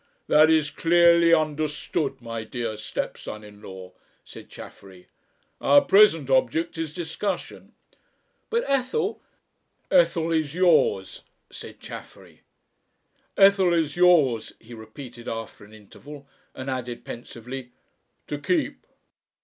"That is clearly understood, my dear stepson in law," said Chaffery. "Our present object is discussion." "But Ethel " "Ethel is yours," said Chaffery. "Ethel is yours," he repeated after an interval and added pensively "to keep."